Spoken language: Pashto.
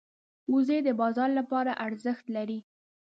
وزې د بازار لپاره ارزښت لري